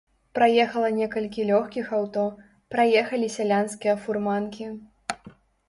Праехала некалькі лёгкіх аўто, праехалі сялянскія фурманкі.